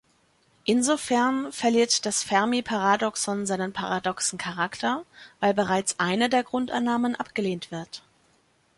Insofern verliert das Fermi-Paradoxon seinen paradoxen Charakter, weil bereits eine der Grundannahmen abgelehnt wird.